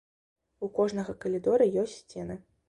У кожнага калідора ёсць сцены.